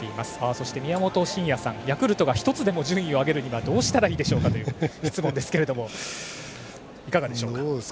そして宮本慎也さんヤクルトが１つでも順位を上げるにはどうしたらいいでしょうかという質問ですけども、いかがでしょう。